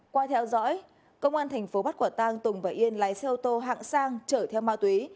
qua theo dõi công an thành phố bắc quả tăng tùng và yên lái xe ô tô hạng sang trở theo ma túy